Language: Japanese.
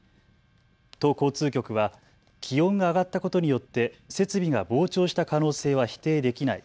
都交通局は気温が上がったことによって設備が膨張した可能性は否定できない。